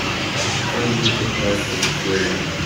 Find me the Plastic trailer.